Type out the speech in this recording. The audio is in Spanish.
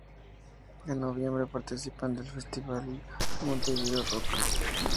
En noviembre participan del festival Montevideo Rock.